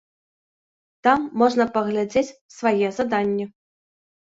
Там можна паглядзець свае заданні.